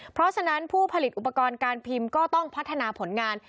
เพราะฉะนั้นผู้ผลิตอุปกรณ์การพิมพ์ก็ต้องพัฒนาผลงาน